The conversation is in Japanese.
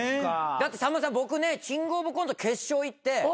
だってさんまさん僕ねキングオブコント決勝行って。